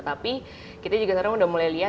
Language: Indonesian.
tapi kita juga sekarang mulai lihat ke snapchat